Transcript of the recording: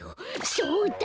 そうだ！